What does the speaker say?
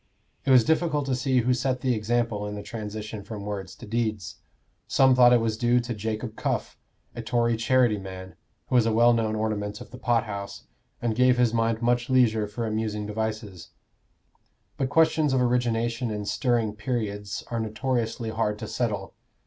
It was difficult to see who set the example in the transition from words to deeds. Some thought it was due to Jacob Cuff, a Tory charity man, who was a well known ornament of the pothouse, and gave his mind much leisure for amusing devices; but questions of origination in stirring periods are notoriously hard to settle.